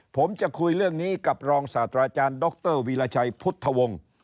ผมจะคุยเรื่องนี้กับรองศาสตราจารย์ดรวีรชัยพุทธวงศ์